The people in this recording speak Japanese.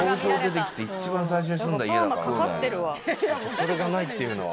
それがないっていうのは。